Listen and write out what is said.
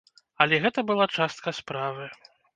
Але гэта была частка справы.